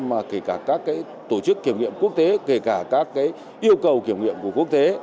mà kể cả các tổ chức kiểm nghiệm quốc tế kể cả các yêu cầu kiểm nghiệm của quốc tế